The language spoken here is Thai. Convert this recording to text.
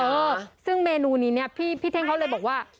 เออซึ่งเมนูนี้เนี่ยพี่เท่งเขาเลยบอกว่า